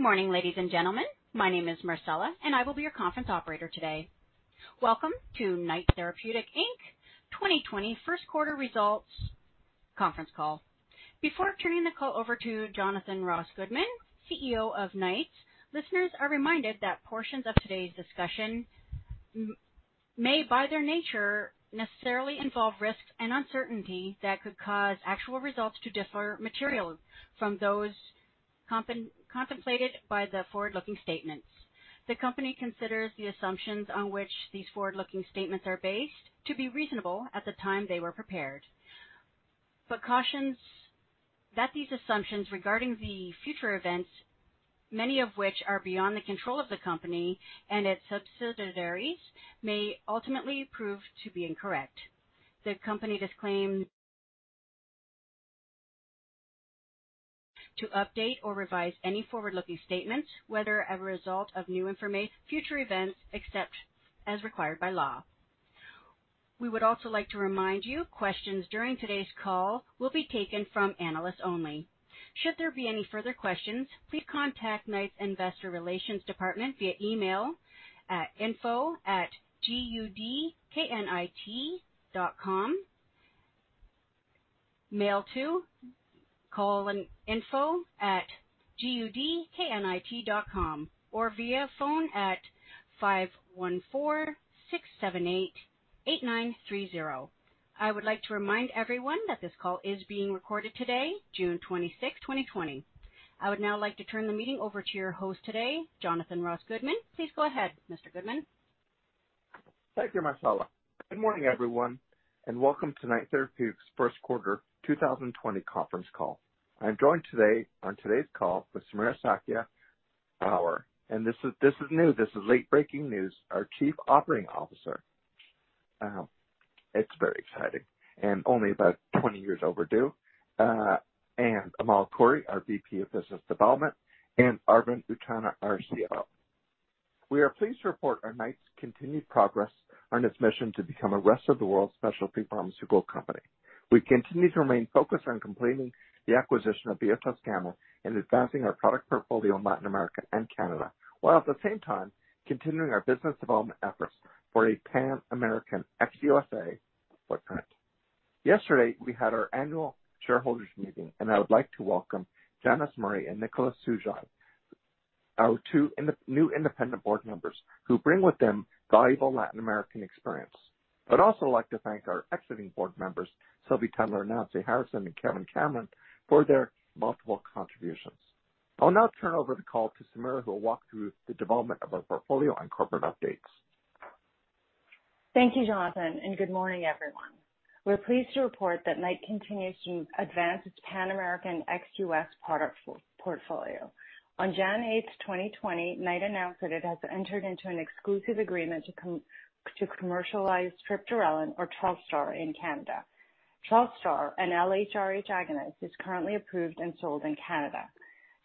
Good morning, ladies and gentlemen. My name is Marcella, and I will be your conference operator today. Welcome to Knight Therapeutics Inc. 2020 First Quarter Results Conference Call. Before turning the call over to Jonathan Ross Goodman, CEO of Knight, listeners are reminded that portions of today’s discussion may, by their nature, necessarily involve risks and uncertainty that could cause actual results to differ materially from those contemplated by the forward-looking statements. The company considers the assumptions on which these forward-looking statements are based to be reasonable at the time they were prepared. The company cautions that these assumptions regarding the future events, many of which are beyond the control of the company and its subsidiaries, may ultimately prove to be incorrect. The company disclaims to update or revise any forward-looking statements, whether as a result of new information, future events, except as required by law. We would also like to remind you, questions during today's call will be taken from analysts only. Should there be any further questions, please contact Knight's investor relations department via email at info@gudKnight.com. Mail to, call, and info at info@gudKnight.com or via phone at 514-678-8930. I would like to remind everyone that this call is being recorded today, June 26, 2020. I would now like to turn the meeting over to your host today, Jonathan Ross Goodman. Please go ahead, Mr. Goodman. Thank you, Marcella. Good morning, everyone, and welcome to Knight Therapeutics' first quarter 2020 conference call. I'm joined today on today's call with Samira Sakhia, and this is new. This is late-breaking news, our Chief Operating Officer. It's very exciting and only about 20 years overdue. Amal Khouri, our VP of Business Development, and Arvind Utchanah, our CFO. We are pleased to report on Knight's continued progress on its mission to become a rest-of-the-world specialty pharmaceutical company. We continue to remain focused on completing the acquisition of Grupo Biotoscana and advancing our product portfolio in Latin America and Canada, while at the same time continuing our business development efforts for a Pan-American ex-USA footprint. Yesterday, we had our annual shareholders meeting. I would like to welcome Janice Murray and Nicolás Sujoy, our two new independent board members who bring with them valuable Latin American experience. I'd also like to thank our exiting board members, Sylvie Tendler, Nancy Harrison, and Kevin Cameron, for their multiple contributions. I'll now turn over the call to Samira, who will walk through the development of our portfolio and corporate updates. Thank you, Jonathan, and good morning, everyone. We're pleased to report that Knight continues to advance its Pan-American ex-U.S. product portfolio. On January 8th, 2020, Knight announced that it has entered into an exclusive agreement to commercialize triptorelin or TRELSTAR in Canada. TRELSTAR, an LHRH agonist, is currently approved and sold in Canada.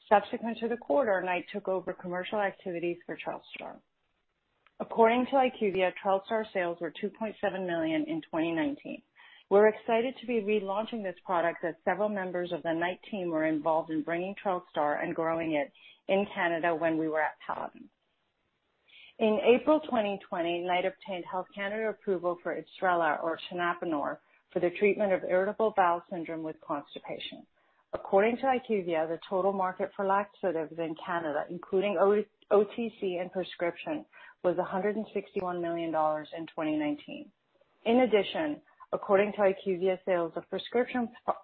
Subsequent to the quarter, Knight took over commercial activities for TRELSTAR. According to IQVIA, TRELSTAR sales were 2.7 million in 2019. We're excited to be relaunching this product that several members of the Knight team were involved in bringing TRELSTAR and growing it in Canada when we were at Paladin. In April 2020, Knight obtained Health Canada approval for IBSRELA or tenapanor for the treatment of irritable bowel syndrome with constipation. According to IQVIA, the total market for laxatives in Canada, including OTC and prescription, was 161 million dollars in 2019. According to IQVIA, the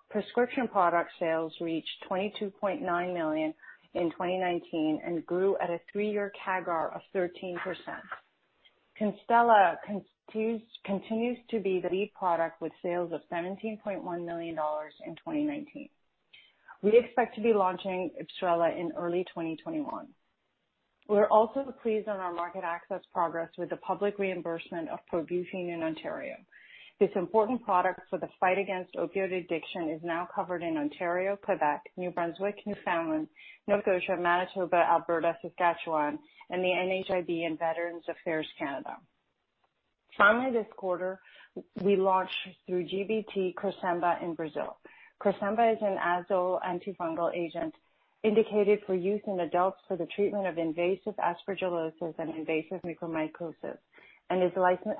prescription product sales reached 22.9 million in 2019 and grew at a three-year CAGR of 13%. IBSRELA continues to be the lead product with sales of 17.1 million dollars in 2019. We expect to be launching IBSRELA in early 2021. We're also pleased on our market access progress with the public reimbursement of Probuphine in Ontario. This important product for the fight against opioid addiction is now covered in Ontario, Quebec, New Brunswick, Newfoundland, Nova Scotia, Manitoba, Alberta, Saskatchewan, and the NIHB and Veterans Affairs Canada. This quarter, we launched through GBT CRESEMBA in Brazil. CRESEMBA is an azole antifungal agent indicated for use in adults for the treatment of invasive aspergillosis and invasive mucormycosis, and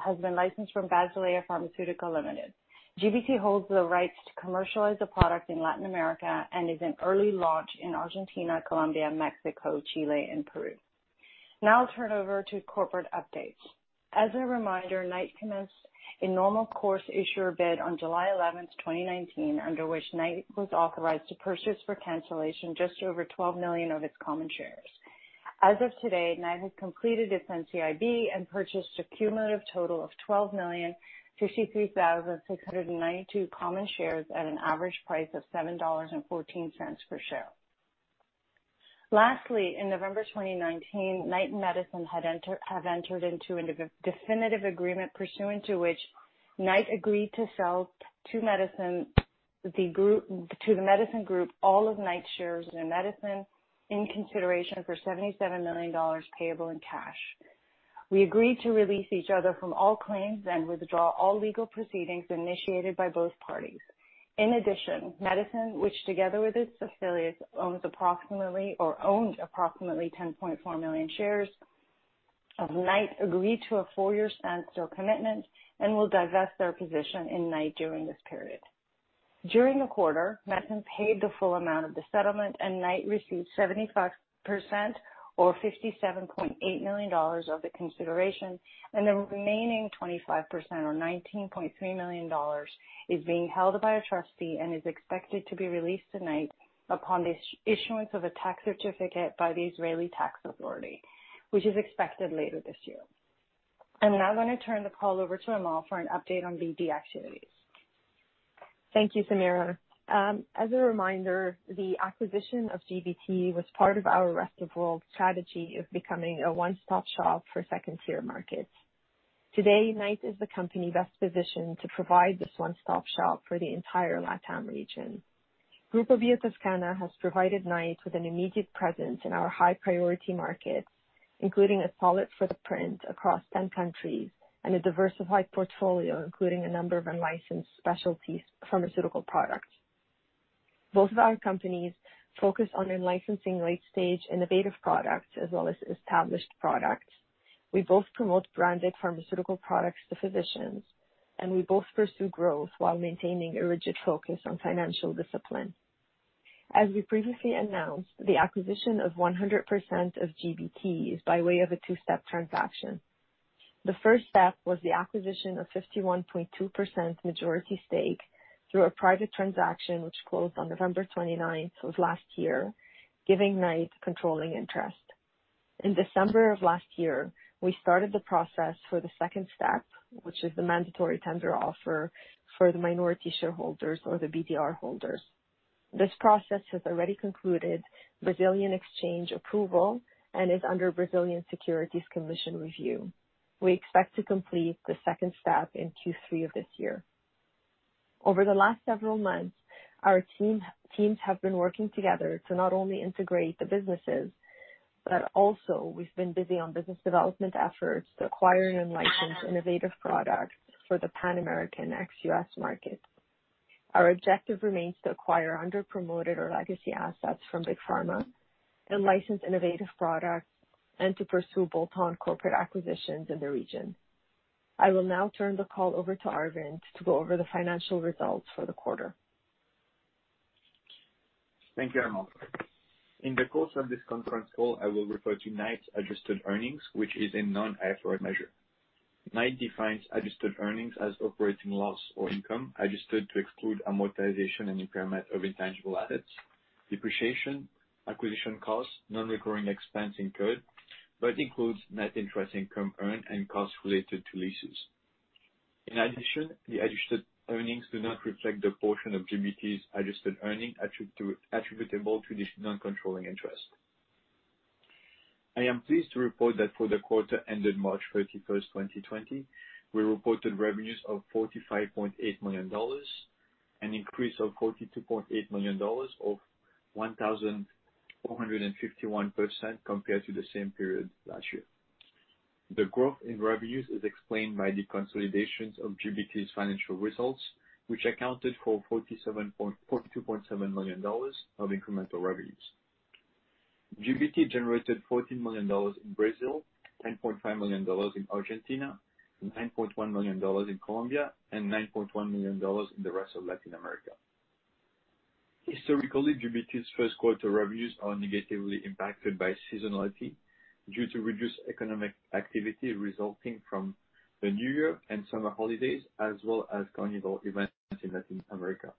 has been licensed from Basilea Pharmaceutica Ltd. GBT holds the rights to commercialize the product in Latin America and is in early launch in Argentina, Colombia, Mexico, Chile, and Peru. I'll turn over to corporate updates. As a reminder, Knight commenced a normal course issuer bid on July 11th, 2019, under which Knight was authorized to purchase for cancellation just over 12 million of its common shares. As of today, Knight has completed its NCIB and purchased a cumulative total of 12,063,692 common shares at an average price of 7.14 dollars per share. In November 2019, Knight and Medison have entered into a definitive agreement pursuant to which Knight agreed to sell to the Medison group all of Knight's shares in Medison in consideration for 77 million dollars payable in cash. We agreed to release each other from all claims and withdraw all legal proceedings initiated by both parties. In addition, Medison, which together with its affiliates, owns approximately 10.4 million shares of Knight, agreed to a four-year standstill commitment and will divest their position in Knight during this period. During the quarter, Medison paid the full amount of the settlement, and Knight received 75% or 57.8 million dollars of the consideration, and the remaining 25%, or 19.3 million dollars, is being held by a trustee and is expected to be released to Knight upon the issuance of a tax certificate by the Israeli Tax Authority, which is expected later this year. I'm now going to turn the call over to Amal for an update on BD activities. Thank you, Samira. As a reminder, the acquisition of GBT was part of our rest-of-world strategy of becoming a one-stop shop for second-tier markets. Today, Knight is the company best positioned to provide this one-stop shop for the entire LatAm region. Grupo Biotoscana has provided Knight with an immediate presence in our high-priority markets, including a platform across 10 countries and a diversified portfolio, including a number of unlicensed specialties pharmaceutical products. Both of our companies focus on in-licensing late-stage innovative products as well as established products. We both promote branded pharmaceutical products to physicians, we both pursue growth while maintaining a rigid focus on financial discipline. As we previously announced, the acquisition of 100% of GBT is by way of a two-step transaction. The first step was the acquisition of 51.2% majority stake through a private transaction, which closed on November 29th of last year, giving Knight controlling interest. In December of last year, we started the process for the second step, which is the mandatory tender offer for the minority shareholders or the BDR holders. This process has already concluded Brazilian exchange approval and is under Brazilian Securities Commission review. We expect to complete the second step in Q3 of this year. Over the last several months, our teams have been working together to not only integrate the businesses, but also we've been busy on business development efforts to acquire and license innovative products for the Pan-American ex-U.S. market. Our objective remains to acquire under-promoted or legacy assets from Big Pharma and licensed innovative products and to pursue bolt-on corporate acquisitions in the region. I will now turn the call over to Arvind to go over the financial results for the quarter. Thank you, Amal. In the course of this conference call, I will refer to Knight's adjusted earnings, which is a non-IFRS measure. Knight defines adjusted earnings as operating loss or income, adjusted to exclude amortization and impairment of intangible assets, depreciation, acquisition costs, non-recurring expense incurred, but includes net interest income earned and costs related to leases. In addition, the adjusted earnings do not reflect the portion of GBT's adjusted earnings attributable to the non-controlling interest. I am pleased to report that for the quarter ending March 31, 2020, we reported revenues of 45.8 million dollars, an increase of 42.8 million dollars, or 1,451% compared to the same period last year. The growth in revenues is explained by the consolidations of GBT's financial results, which accounted for 42.7 million dollars of incremental revenues. GBT generated 14 million dollars in Brazil, 10.5 million dollars in Argentina, and 9.1 million dollars in Colombia, and 9.1 million dollars in the rest of Latin America. Historically, GBT's first quarter revenues are negatively impacted by seasonality due to reduced economic activity resulting from the New Year and summer holidays as well as Carnival events in Latin America.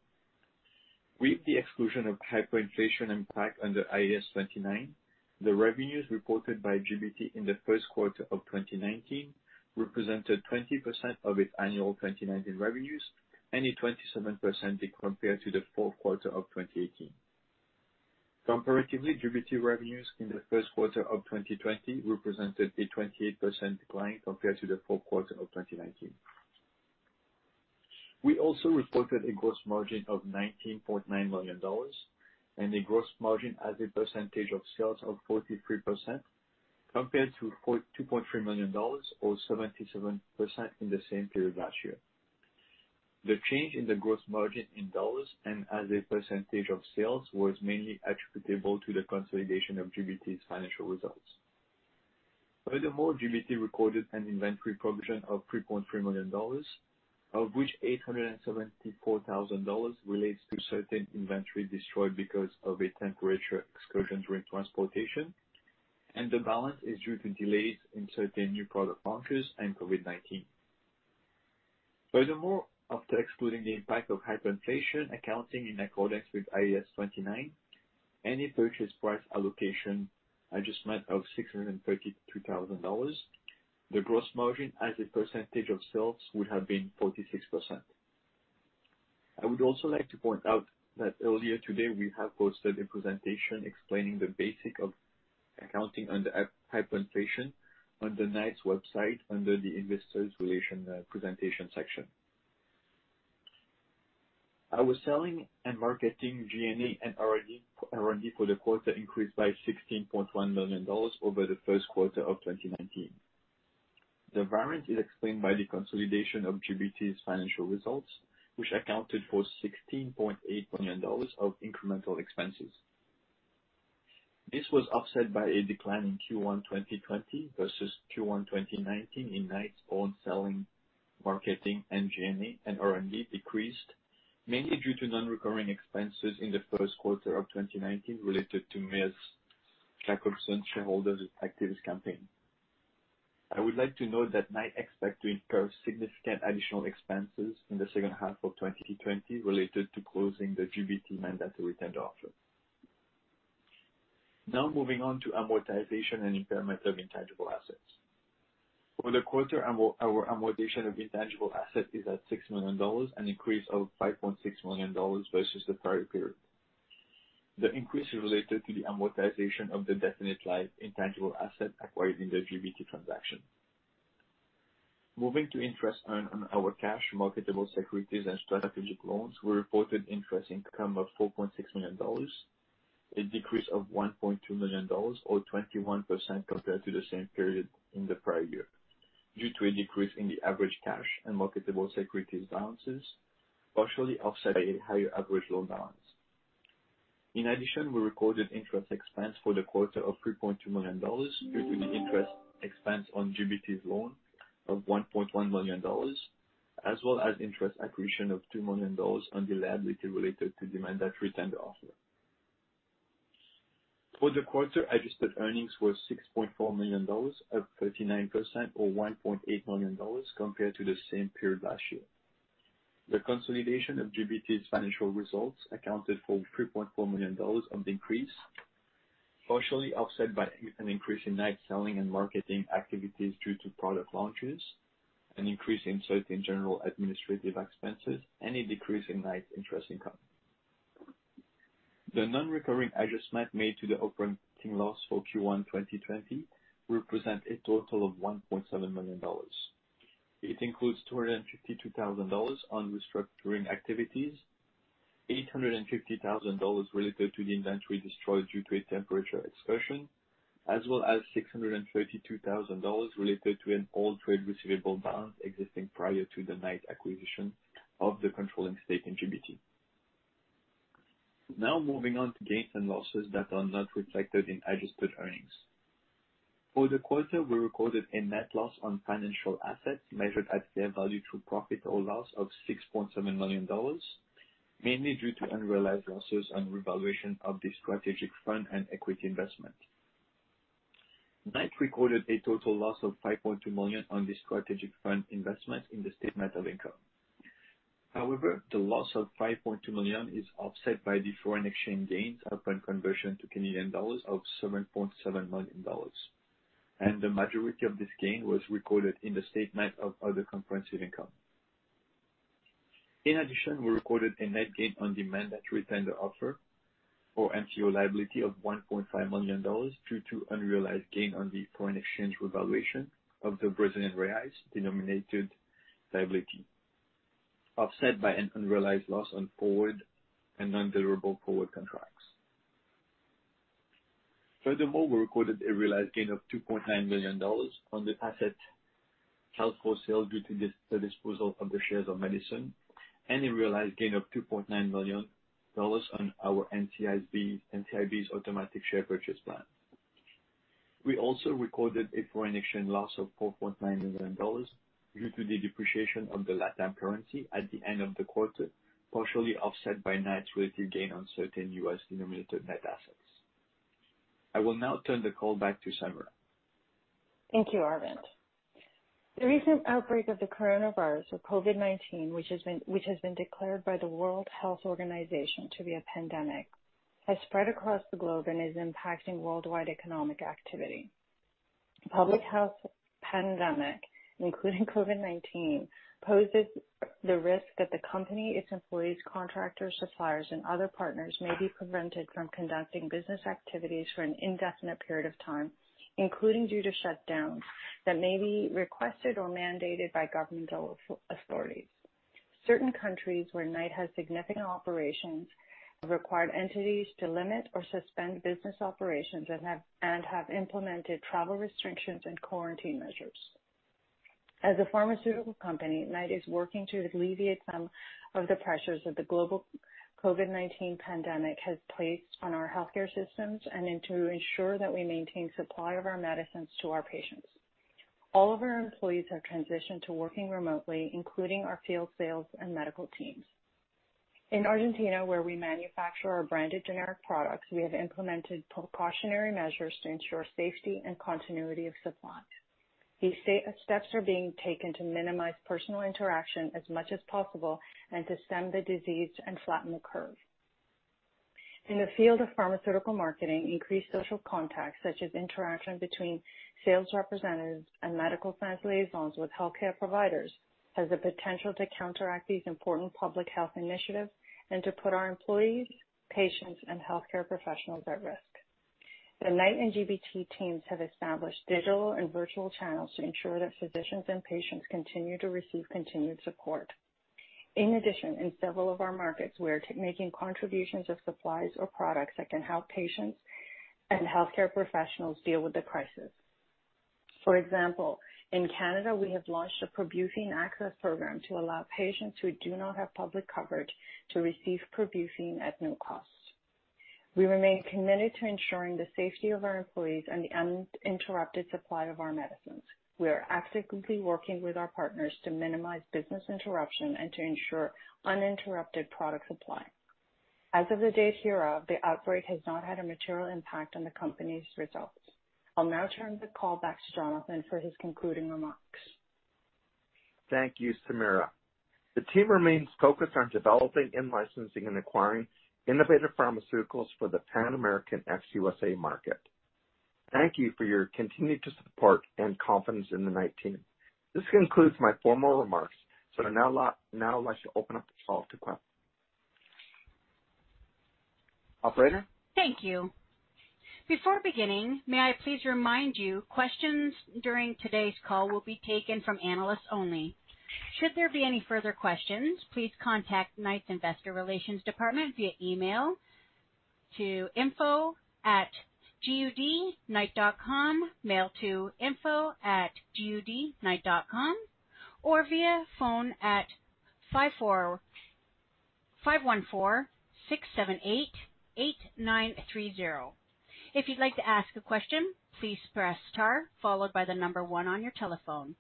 With the exclusion of hyperinflation impact under IAS 29, the revenues reported by GBT in the first quarter of 2019 represented 20% of its annual 2019 revenues and a 27% compared to the fourth quarter of 2018. Comparatively, GBT revenues in the first quarter of 2020 represented a 28% decline compared to the fourth quarter of 2019. We also reported a gross margin of 19.9 million dollars and a gross margin as a percentage of sales of 43%, compared to 42.3 million dollars or 77% in the same period last year. The change in the gross margin in CAD and as a percentage of sales was mainly attributable to the consolidation of GBT's financial results. GBT recorded an inventory provision of 3.3 million dollars, of which 874,000 dollars relates to certain inventory destroyed because of a temperature excursion during transportation, and the balance is due to delays in certain new product launches and COVID-19. After excluding the impact of hyperinflation accounting in accordance with IAS 29, any purchase price allocation adjustment of 633,000 dollars, the gross margin as a percentage of sales would have been 46%. I would also like to point out that earlier today, we have posted a presentation explaining the basic of accounting under hyperinflation on the Knight's website under the Investor Relations, Presentation section. Our selling and marketing G&A and R&D for the quarter increased by 16.1 million dollars over the first quarter of 2019. The variant is explained by the consolidation of GBT's financial results, which accounted for 16.8 million dollars of incremental expenses. This was offset by a decline in Q1 2020 versus Q1 2019 in Knight's own selling, marketing and G&A and R&D decreased, mainly due to non-recurring expenses in the first quarter of 2019 related to Mr. Jakobsohn, shareholders' activist campaign. I would like to note that Knight expects to incur significant additional expenses in the second half of 2020 related to closing the GBT mandatory tender offer. Now moving on to amortization and impairment of intangible assets. For the quarter, our amortization of intangible assets is at 6 million dollars, an increase of 5.6 million dollars versus the prior period. The increase is related to the amortization of the definite-life intangible asset acquired in the GBT transaction. Moving to interest earned on our cash marketable securities and strategic loans, we reported interest income of 4.6 million dollars, a decrease of 1.2 million dollars, or 21%, compared to the same period in the prior year, due to a decrease in the average cash and marketable securities balances, partially offset by a higher average loan balance. In addition, we recorded interest expense for the quarter of 3.2 million dollars due to the interest expense on GBT's loan of 1.1 million dollars, as well as interest accretion of 2 million dollars on the liability related to the mandatory tender offer. For the quarter, adjusted earnings were 6.4 million dollars, up 39%, or 1.8 million dollars, compared to the same period last year. The consolidation of GBT's financial results accounted for 3.4 million dollars of the increase, partially offset by an increase in Knight's selling and marketing activities due to product launches, an increase in certain general administrative expenses, and a decrease in Knight's interest income. The non-recurring adjustment made to the operating loss for Q1 2020 will present a total of 1.7 million dollars. It includes 252,000 dollars on restructuring activities, 850,000 dollars related to the inventory destroyed due to a temperature excursion, as well as 632,000 dollars related to an old trade receivable balance existing prior to the Knight acquisition of the controlling stake in GBT. Moving on to gains and losses that are not reflected in adjusted earnings. For the quarter, we recorded a net loss on financial assets measured at fair value through profit or loss of 6.7 million dollars, mainly due to unrealized losses on revaluation of the strategic fund and equity investment. Knight recorded a total loss of 5.2 million on the strategic fund investment in the statement of income. The loss of 5.2 million is offset by foreign exchange gains upon conversion to Canadian dollars of 7.7 million dollars, and the majority of this gain was recorded in the statement of other comprehensive income. We recorded a net gain on the mandatory tender offer or MTO liability of 1.5 million dollars due to unrealized gain on the foreign exchange revaluation of the BRL-denominated liability, offset by an unrealized loss on forward and undeliverable forward contracts. We recorded a realized gain of 2.9 million dollars on the asset held for sale due to the disposal of the shares of Medison and a realized gain of 2.9 million dollars on our NCIB's automatic share purchase plan. We also recorded a foreign exchange loss of 4.9 million dollars due to the depreciation of the LatAm currency at the end of the quarter, partially offset by Knight's relative gain on certain U.S.-denominated net assets. I will now turn the call back to Samira. Thank you, Arvind. The recent outbreak of the coronavirus or COVID-19, which has been declared by the World Health Organization to be a pandemic, has spread across the globe and is impacting worldwide economic activity. Public health pandemic, including COVID-19, poses the risk that the company, its employees, contractors, suppliers, and other partners may be prevented from conducting business activities for an indefinite period of time, including due to shutdowns that may be requested or mandated by governmental authorities. Certain countries where Knight has significant operations have required entities to limit or suspend business operations and have implemented travel restrictions and quarantine measures. As a pharmaceutical company, Knight is working to alleviate some of the pressures that the global COVID-19 pandemic has placed on our healthcare systems and to ensure that we maintain supply of our medicines to our patients. All of our employees have transitioned to working remotely, including our field sales and medical teams. In Argentina, where we manufacture our branded generic products, we have implemented precautionary measures to ensure safety and continuity of supply. These steps are being taken to minimize personal interaction as much as possible and to stem the disease and flatten the curve. In the field of pharmaceutical marketing, increased social contact, such as interaction between sales representatives and medical science liaisons with healthcare providers, has the potential to counteract these important public health initiatives and to put our employees, patients, and healthcare professionals at risk. The Knight and GBT teams have established digital and virtual channels to ensure that physicians and patients continue to receive continued support. In addition, in several of our markets, we are making contributions of supplies or products that can help patients and healthcare professionals deal with the crisis. For example, in Canada, we have launched a Probuphine access program to allow patients who do not have public coverage to receive Probuphine at no cost. We remain committed to ensuring the safety of our employees and the uninterrupted supply of our medicines. We are actively working with our partners to minimize business interruption and to ensure uninterrupted product supply. As of the date hereof, the outbreak has not had a material impact on the company's results. I'll now turn the call back to Jonathan for his concluding remarks. Thank you, Samira. The team remains focused on developing and licensing and acquiring innovative pharmaceuticals for the Pan-American ex-USA market. Thank you for your continued support and confidence in the Knight team. This concludes my formal remarks. I'd now like to open up the call to questions. Operator? Thank you. Before beginning, may I please remind you, questions during today's call will be taken from analysts only. Should there be any further questions, please contact Knight Therapeutics' investor relations department via email to info@gudknight.com, mail to info@gudknight.com, or via phone at 514-678-8930. If you'd like to ask a question, please press star followed by the number one on your telephone.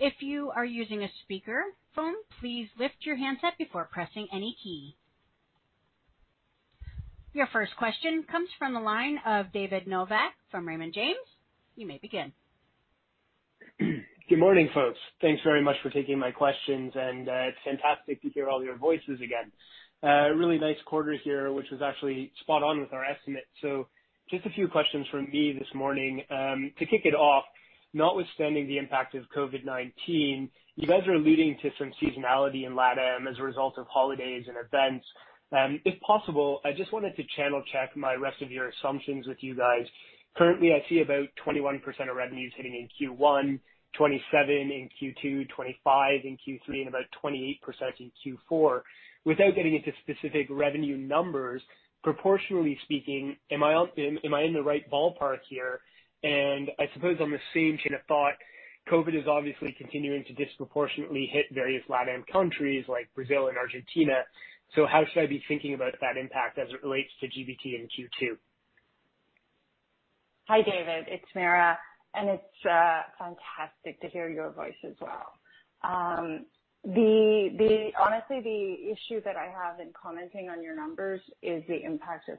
If you are using a speakerphone, please lift your handset before pressing any key. Your first question comes from the line of David Novak from Raymond James. You may begin. Good morning, folks. Thanks very much for taking my questions, and it's fantastic to hear all your voices again. A really nice quarter here, which was actually spot on with our estimates. Just a few questions from me this morning. To kick it off, notwithstanding the impact of COVID-19, you guys are alluding to some seasonality in LatAm as a result of holidays and events. If possible, I just wanted to channel check my rest of your assumptions with you guys. Currently, I see about 21% of revenues hitting in Q1, 27% in Q2, 25% in Q3, and about 28% in Q4. Without getting into specific revenue numbers, proportionally speaking, am I in the right ballpark here? I suppose on the same train of thought, COVID is obviously continuing to disproportionately hit various LatAm countries like Brazil and Argentina. How should I be thinking about that impact as it relates to GBT in Q2? Hi, David. It's Samira. It's fantastic to hear your voice as well. Honestly, the issue that I have in commenting on your numbers is the impact of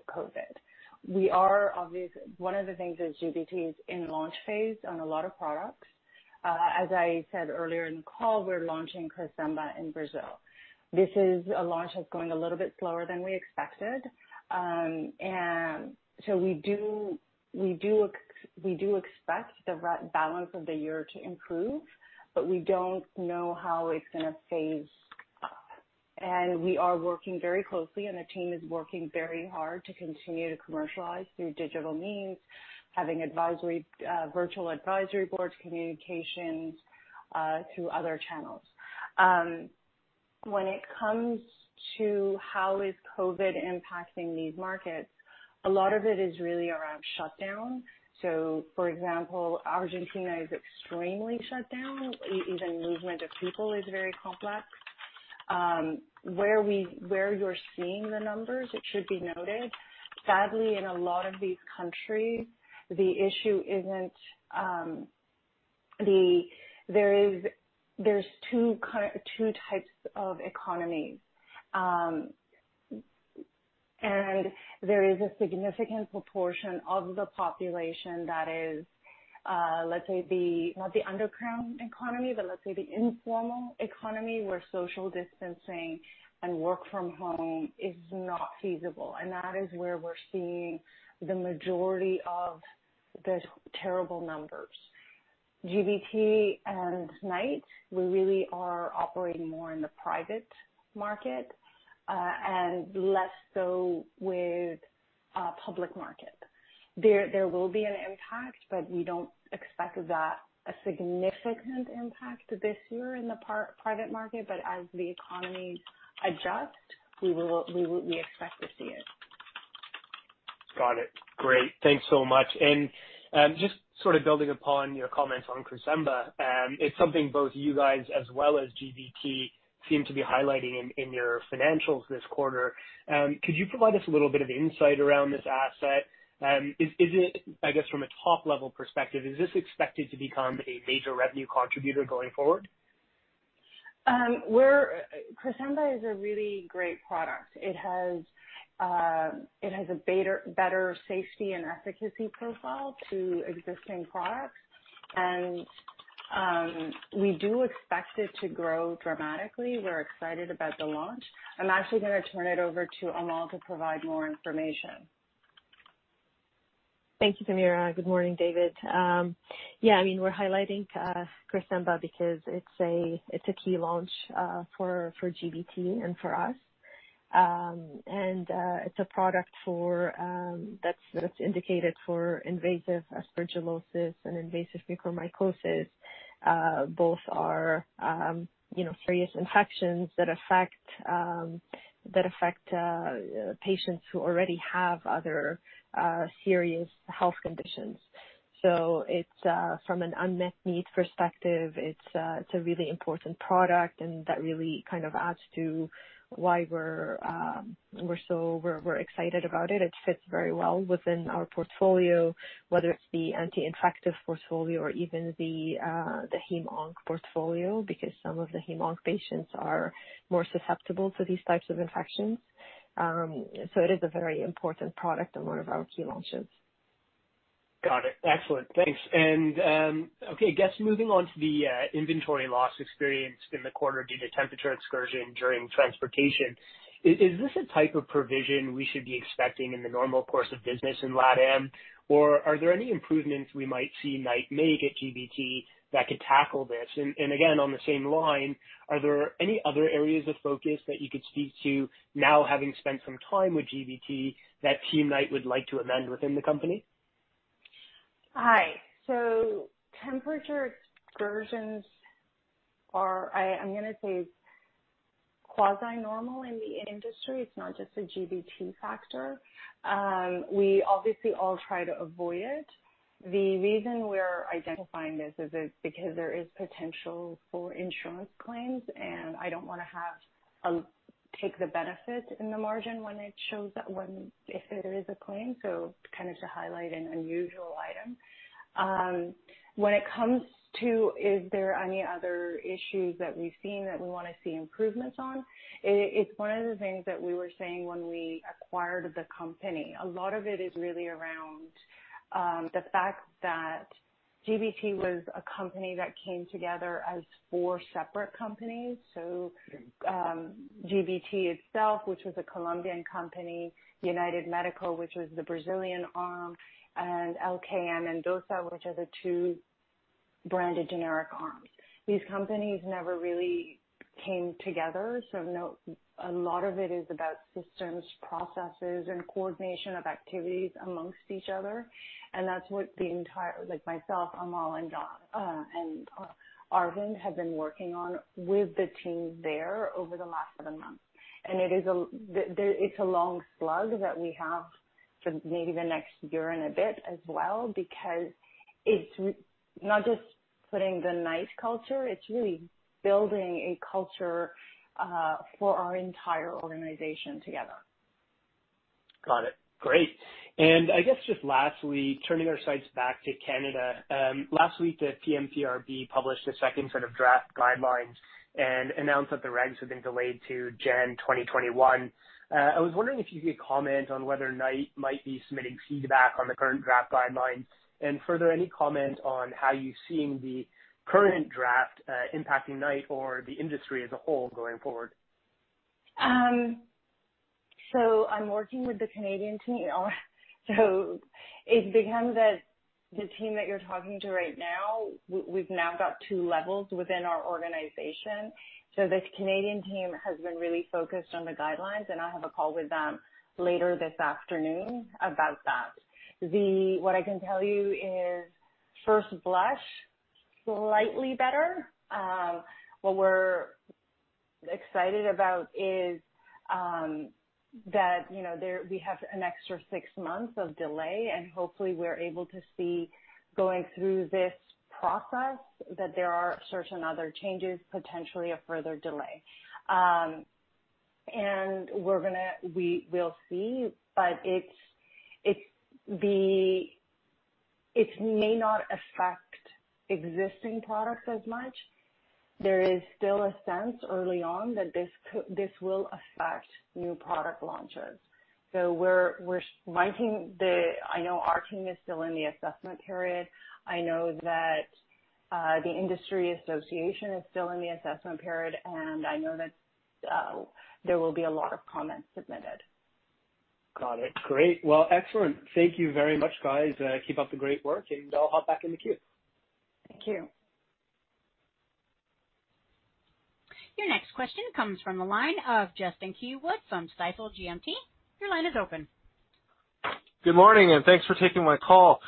COVID-19. One of the things is GBT is in launch phase on a lot of products. As I said earlier in the call, we're launching CRESEMBA in Brazil. This is a launch that's going a little bit slower than we expected. We do expect the balance of the year to improve. We don't know how it's going to phase up. We are working very closely. The team is working very hard to continue to commercialize through digital means, having virtual advisory boards, communications through other channels. When it comes to how is COVID-19 impacting these markets, a lot of it is really around shutdown. For example, Argentina is extremely shut down. Even movement of people is very complex. Where you're seeing the numbers, it should be noted, sadly, in a lot of these countries, there's two types of economies. There is a significant proportion of the population that is, let's say not the underground economy, but let's say the informal economy where social distancing and work from home is not feasible. That is where we're seeing the majority of the terrible numbers. GBT and Knight, we really are operating more in the private market and less so with public market. There will be an impact, but we don't expect a significant impact this year in the private market. As the economy adjusts, we expect to see it. Got it. Great. Thanks so much. Just sort of building upon your comments on CRESEMBA, it's something both you guys as well as GBT seem to be highlighting in your financials this quarter. Could you provide us a little bit of insight around this asset? I guess from a top-level perspective, is this expected to become a major revenue contributor going forward? CRESEMBA is a really great product. It has a better safety and efficacy profile to existing products, and we do expect it to grow dramatically. We're excited about the launch. I'm actually going to turn it over to Amal to provide more information. Thank you, Samira. Good morning, David. Yeah, we're highlighting CRESEMBA because it's a key launch for GBT and for us. It's a product that's indicated for invasive aspergillosis and invasive mucormycosis. Both are serious infections that affect patients who already have other serious health conditions. From an unmet need perspective, it's a really important product, and that really adds to why we're excited about it. It fits very well within our portfolio, whether it's the anti-infective portfolio or even the Hem/Onc portfolio, because some of the Hem/Onc patients are more susceptible to these types of infections. It is a very important product and one of our key launches. Got it. Excellent. Thanks. Okay, I guess, moving on to the inventory loss experience in the quarter due to temperature excursion during transportation. Is this a type of provision we should be expecting in the normal course of business in LatAm? Are there any improvements we might see Knight make at GBT that could tackle this? Again, on the same line, are there any other areas of focus that you could speak to now having spent some time with GBT that Team Knight would like to amend within the company? Hi. Temperature excursions are, I'm going to say, quasi-normal in the industry. It's not just a GBT factor. We obviously all try to avoid it. The reason we're identifying this is because there is potential for insurance claims, and I don't want to take the benefit in the margin if there is a claim, so to highlight an unusual item. When it comes to is there any other issues that we've seen that we want to see improvements on, it's one of the things that we were saying when we acquired the company. A lot of it is really around the fact that GBT was a company that came together as four separate companies. GBT itself, which was a Colombian company, United Medical, which was the Brazilian arm, and LKM and DOSA, which are the two branded generic arms. These companies never really came together, so a lot of it is about systems, processes, and coordination of activities amongst each other, and that's what myself, Amal, and Arvind have been working on with the team there over the last seven months. It's a long slug that we have for maybe the next year and a bit as well, because it's not just putting the Knight culture, it's really building a culture for our entire organization together. Got it. Great. I guess just lastly, turning our sights back to Canada. Last week, the PMPRB published a second set of draft guidelines and announced that the regs have been delayed to January 2021. I was wondering if you could comment on whether Knight might be submitting feedback on the current draft guidelines. Further, any comment on how you're seeing the current draft impacting Knight or the industry as a whole going forward? I'm working with the Canadian team. It becomes that the team that you're talking to right now, we've now got two levels within our organization. This Canadian team has been really focused on the guidelines, and I have a call with them later this afternoon about that. What I can tell you is first blush, slightly better. What we're excited about is that we have an extra six months of delay, and hopefully we're able to see going through this process that there are certain other changes, potentially a further delay. We'll see, but it may not affect existing products as much. There is still a sense early on that this will affect new product launches. I know our team is still in the assessment period. I know that the industry association is still in the assessment period, and I know that there will be a lot of comments submitted. Got it. Great. Well, excellent. Thank you very much, guys. Keep up the great work. I'll hop back in the queue. Thank you. Your next question comes from the line of Justin Keywood from Stifel GMP. Your line is open. Good morning, and thanks for taking my call.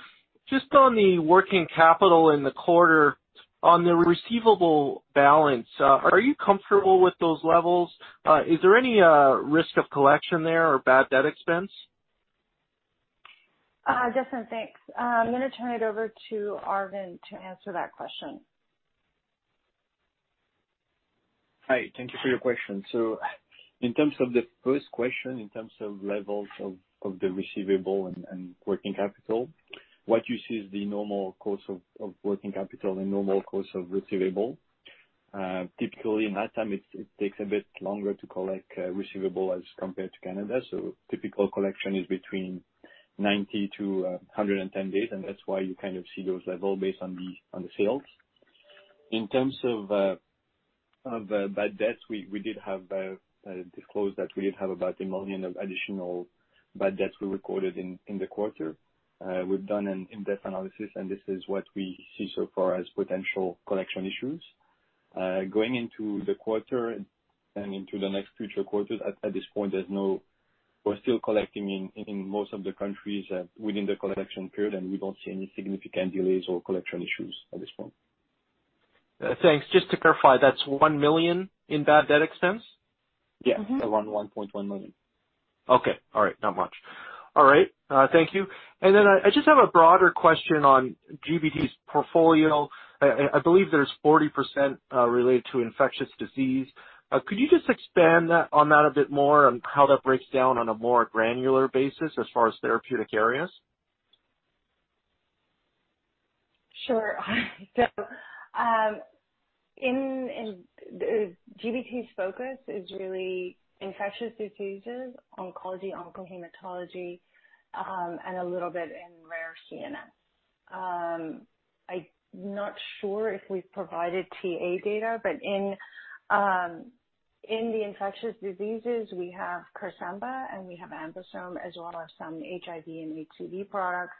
Just on the working capital in the quarter, on the receivable balance, are you comfortable with those levels? Is there any risk of collection there or bad debt expense? Justin, thanks. I'm going to turn it over to Arvind to answer that question. Hi. Thank you for your question. In terms of the first question, in terms of levels of the receivable and working capital, what you see is the normal course of working capital and normal course of receivable. Typically, in that time, it takes a bit longer to collect receivable as compared to Canada, so typical collection is between 90-110 days, and that's why you see those levels based on the sales. In terms of bad debts, we did disclose that we did have about 1 million of additional bad debts we recorded in the quarter. We've done an in-depth analysis, and this is what we see so far as potential collection issues. Going into the quarter and into the next future quarters, at this point, we're still collecting in most of the countries within the collection period, and we don't see any significant delays or collection issues at this point. Thanks. Just to clarify, that's 1 million in bad debt expense? Yeah. Around 1.1 million. Okay. All right. Not much. All right. Thank you. I just have a broader question on GBT's portfolio. I believe there's 40% related to infectious disease. Could you just expand on that a bit more on how that breaks down on a more granular basis as far as therapeutic areas? Sure. GBT's focus is really infectious diseases, oncology, oncohematology, and a little bit in rare CNS. I'm not sure if we've provided TA data, but in the infectious diseases, we have Crysvita and we have AmBisome, as well as some HIV and HCV products.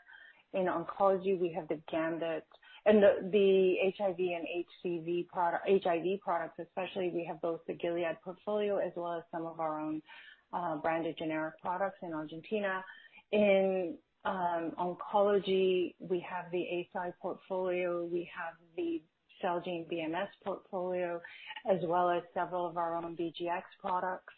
In oncology, we have the Gandit. In the HIV and HCV product, HIV products especially, we have both the Gilead portfolio as well as some of our own branded generic products in Argentina. In oncology, we have the Eisai portfolio. We have the Celgene BMS portfolio, as well as several of our own BGX products.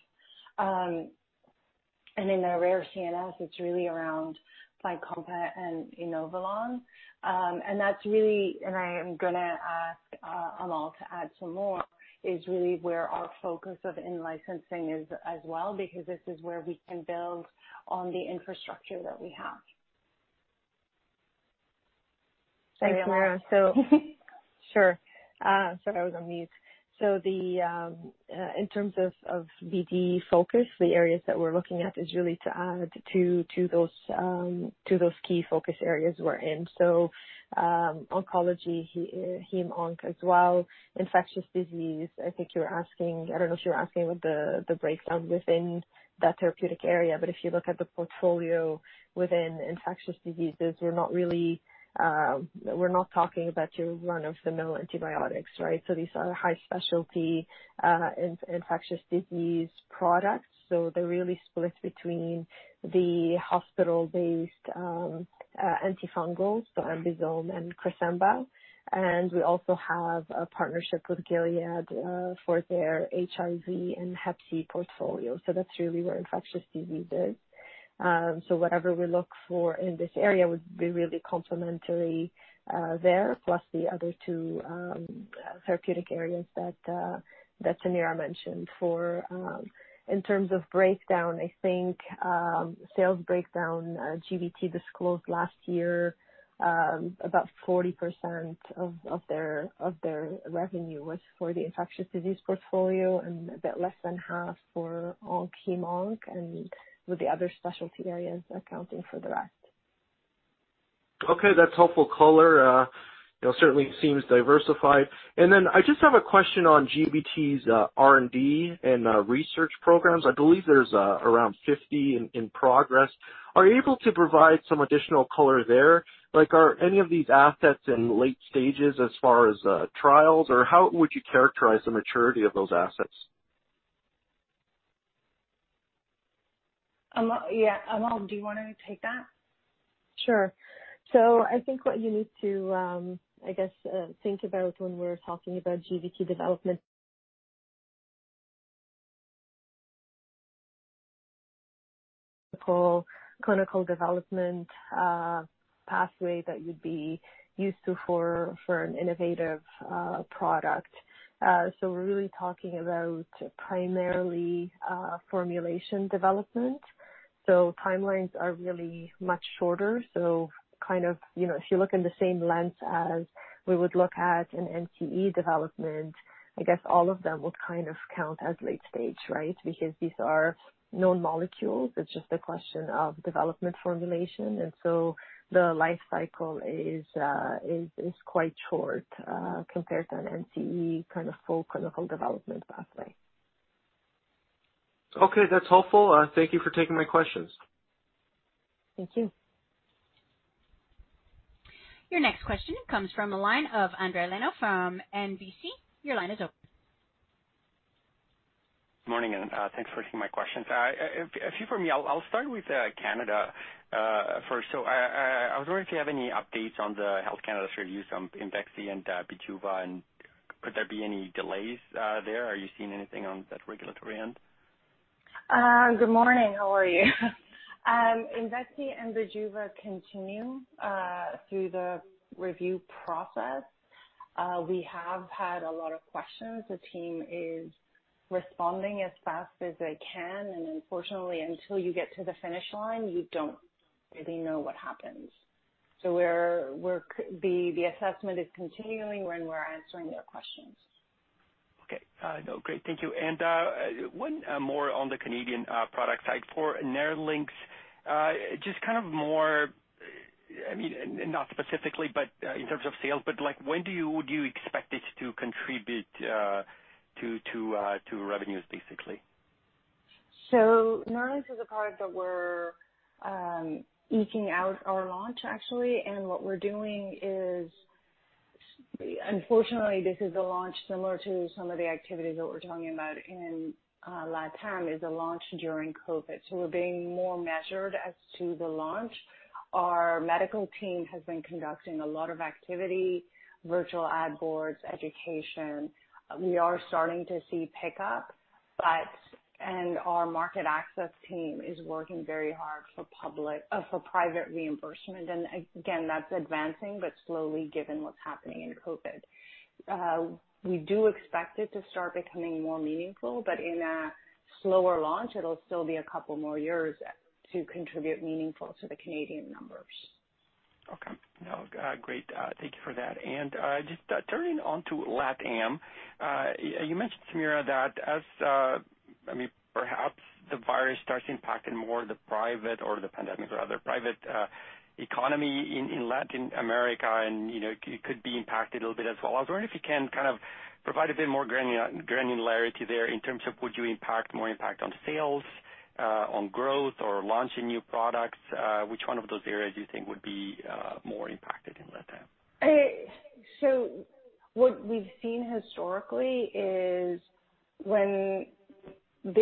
In our rare CNS, it's really around FYCOMPA and Inovelon. I am going to ask Amal to add some more, is really where our focus of in-licensing is as well because this is where we can build on the infrastructure that we have. Thanks, Samira. Sorry, I was on mute. In terms of GBT focus, the areas that we're looking at is really to add to those key focus areas we're in. Oncology, hem/onc as well, infectious disease. I don't know if you're asking about the breakdown within that therapeutic area, but if you look at the portfolio within infectious diseases, we're not talking about your run-of-the-mill antibiotics, right? These are high specialty infectious disease products. They're really split between the hospital-based antifungals, so AmBisome and CRESEMBA. We also have a partnership with Gilead for their HIV and HCV portfolio. That's really where infectious disease is. Whatever we look for in this area would be really complementary there, plus the other two therapeutic areas that Samira mentioned. In terms of breakdown, I think sales breakdown, GBT disclosed last year about 40% of their revenue was for the infectious disease portfolio and a bit less than half for hem/onc and with the other specialty areas accounting for the rest. Okay, that's helpful color. Certainly seems diversified. I just have a question on GBT's R&D and research programs. I believe there's around 50 in progress. Are you able to provide some additional color there? Are any of these assets in late stages as far as trials, or how would you characterize the maturity of those assets? Amal, do you want to take that? Sure. I think what you need to, I guess, think about when we're talking about GBT development clinical development pathway that you'd be used to for an innovative product. We're really talking about primarily formulation development. Timelines are really much shorter. If you look in the same lens as we would look at an NCE development, I guess all of them would kind of count as late stage, right? Because these are known molecules. It's just a question of development formulation. The life cycle is quite short compared to an NCE kind of full clinical development pathway. Okay. That's helpful. Thank you for taking my questions. Thank you. Your next question comes from the line of Endri Leno from NBC. Your line is open. Morning, thanks for taking my questions. A few for me. I'll start with Canada first. I was wondering if you have any updates on the Health Canada's review on IMVEXXY and Bijuva, and could there be any delays there? Are you seeing anything on that regulatory end? Good morning. How are you? IMVEXXY and Bijuva continue through the review process. We have had a lot of questions. Unfortunately, until you get to the finish line, you don't really know what happens. The assessment is continuing, and we're answering their questions. Okay. No, great. Thank you. One more on the Canadian product side for NERLYNX. Just more, not specifically, but in terms of sales, when do you expect it to contribute to revenues, basically? NERLYNX is a product that we're eking out our launch, actually. What we're doing is, unfortunately, this is a launch similar to some of the activities that we're talking about in LatAm, is a launch during COVID. We're being more measured as to the launch. Our medical team has been conducting a lot of activity, virtual ad boards, education. We are starting to see pickup, and our market access team is working very hard for private reimbursement. Again, that's advancing, but slowly given what's happening in COVID. We do expect it to start becoming more meaningful, but in a slower launch, it'll still be a couple more years to contribute meaningful to the Canadian numbers. Okay. No, great. Thank you for that. Just turning onto LatAm, you mentioned, Samira, that as perhaps the virus starts impacting more the private or the pandemic rather, private economy in Latin America and it could be impacted a little bit as well. I was wondering if you can provide a bit more granularity there in terms of would you impact more on sales, on growth or launching new products? Which one of those areas do you think would be more impacted in LATAM? What we've seen historically is As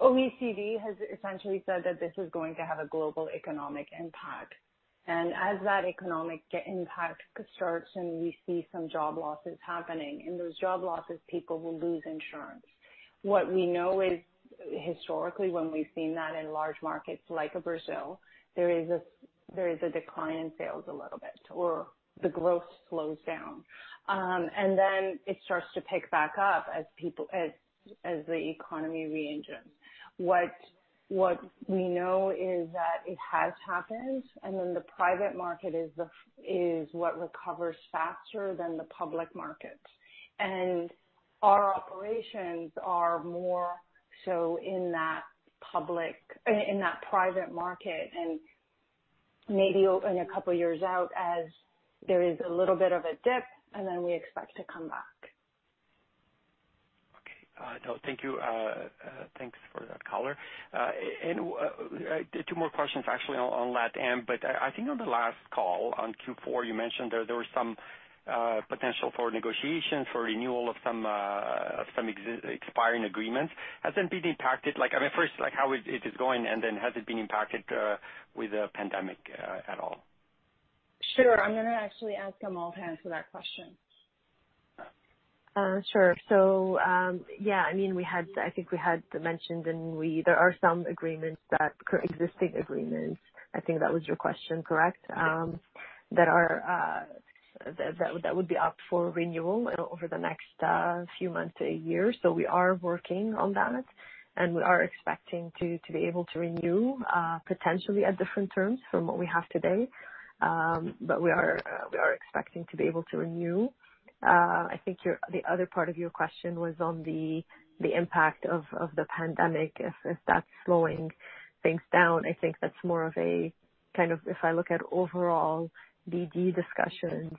OECD has essentially said that this is going to have a global economic impact. As that economic impact starts and we see some job losses happening. In those job losses, people will lose insurance. What we know is historically, when we've seen that in large markets like Brazil, there is a decline in sales a little bit, or the growth slows down. It starts to pick back up as the economy re-engines. What we know is that it has happened, and then the private market is what recovers faster than the public market. Our operations are more so in that private market and maybe in a couple of years out as there is a little bit of a dip, and then we expect to come back. Okay. No, thank you. Thanks for that color. Two more questions actually on LatAm, I think on the last call on Q4, you mentioned there was some potential for negotiation for renewal of some expiring agreements. Has it been impacted? First, how it is going, then has it been impacted with the pandemic at all? Sure. I'm going to actually ask Amal for that question. Sure. Yeah, I think we had mentioned and there are some existing agreements. I think that was your question, correct? Yes. That would be up for renewal over the next few months to a year. We are working on that, and we are expecting to be able to renew, potentially at different terms from what we have today. We are expecting to be able to renew. I think the other part of your question was on the impact of the pandemic, if that's slowing things down. I think that's more of a, if I look at overall BD discussions,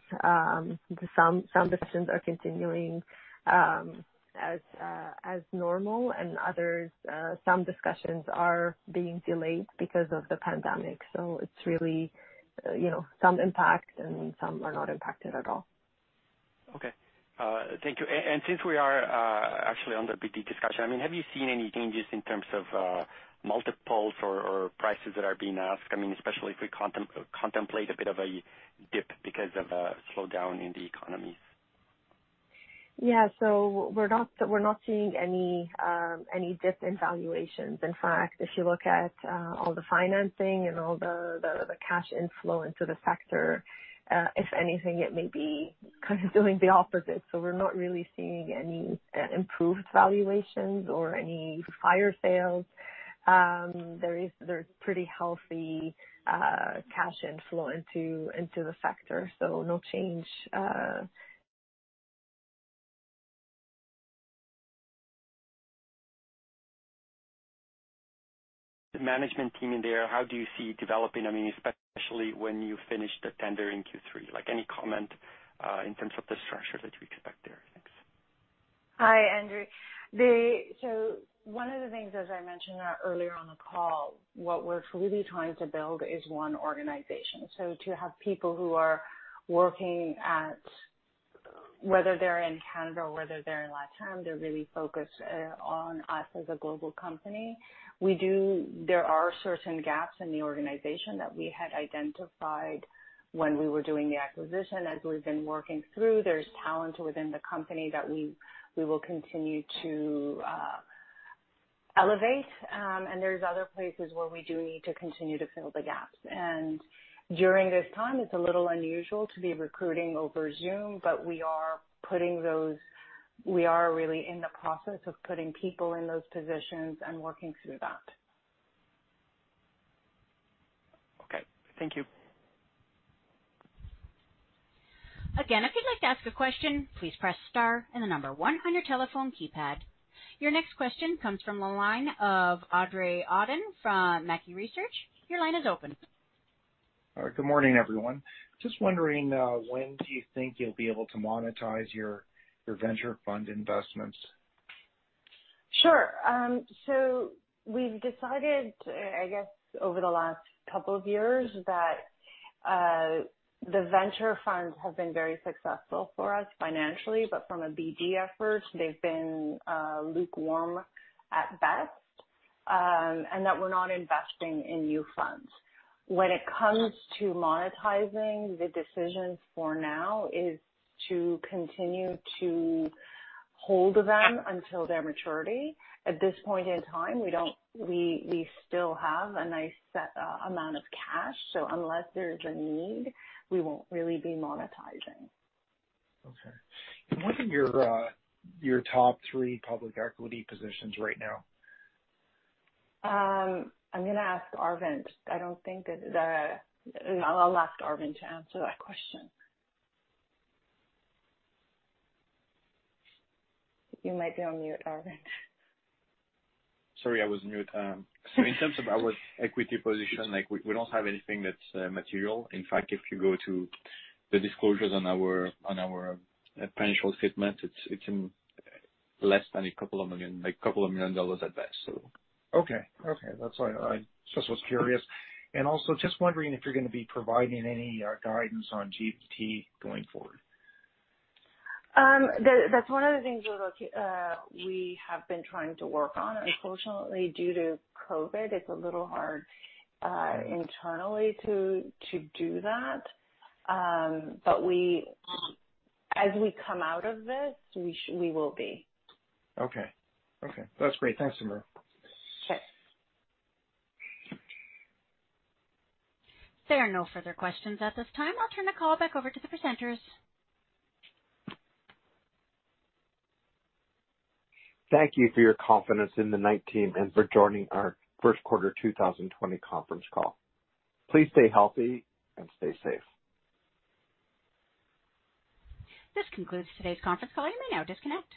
some discussions are continuing as normal and others, some discussions are being delayed because of the pandemic. It's really some impact and some are not impacted at all. Okay. Thank you. Since we are actually on the BD discussion, have you seen any changes in terms of multiples or prices that are being asked? Especially if we contemplate a bit of a dip because of a slowdown in the economies. Yeah. We're not seeing any dip in valuations. In fact, if you look at all the financing and all the cash inflow into the sector, if anything, it may be kind of doing the opposite. We're not really seeing any improved valuations or any higher sales. There's pretty healthy cash inflow into the sector, so no change. The management team in there, how do you see it developing, especially when you finish the tender in Q3? Any comment in terms of the structure that we could expect there? Thanks. Hi, Endri. One of the things, as I mentioned earlier on the call, what we're truly trying to build is one organization. To have people who are working at, whether they're in Canada or whether they're in LatAm, they're really focused on us as a global company. There are certain gaps in the organization that we had identified when we were doing the acquisition. As we've been working through, there's talent within the company that we will continue to elevate. There's other places where we do need to continue to fill the gaps. During this time, it's a little unusual to be recruiting over Zoom, but we are really in the process of putting people in those positions and working through that. Thank you. Again, if you'd like to ask a question, please press star and the number one on your telephone keypad. Your next question comes from the line of Andre Uddin from Mackie Research. Your line is open. Good morning, everyone. Just wondering when do you think you'll be able to monetize your venture fund investments? Sure. We've decided, I guess, over the last couple of years that the venture funds have been very successful for us financially, but from a BD effort, they've been lukewarm at best, and that we're not investing in new funds. It comes to monetizing, the decision for now is to continue to hold them until their maturity. This point in time, we still have a nice set amount of cash, so unless there's a need, we won't really be monetizing. Okay. What are your top three public equity positions right now? I'm going to ask Arvind. I'll ask Arvind to answer that question. You might be on mute, Arvind. Sorry, I was mute. In terms of our equity position, we don't have anything that's material. In fact, if you go to the disclosures on our financial statement, it's less than a couple of million dollars at best. Okay. That's all right. Just was curious. Also just wondering if you're going to be providing any guidance on GBT going forward. That's one of the things we have been trying to work on. Unfortunately, due to COVID-19, it's a little hard internally to do that. As we come out of this, we will be. Okay. That's great. Thanks, Samira. Sure. There are no further questions at this time. I'll turn the call back over to the presenters. Thank you for your confidence in The Knight Team and for joining our first quarter 2020 conference call. Please stay healthy and stay safe. This concludes today's conference call. You may now disconnect.